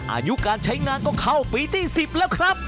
อายุการใช้งานก็เข้าปีที่๑๐แล้วครับ